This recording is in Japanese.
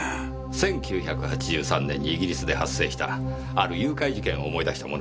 １９８３年にイギリスで発生したある誘拐事件を思い出したものですから。